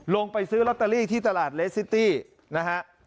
ลงไปซื้อลอตเตอรี่ที่ตลาดเลสซิตี้นะฮะ